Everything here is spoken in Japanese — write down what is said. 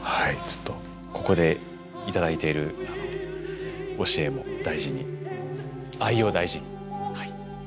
ちょっとここで頂いている教えも大事に愛を大事にはい。